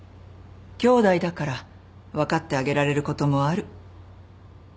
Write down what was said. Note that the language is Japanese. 兄弟だから分かってあげられることもある。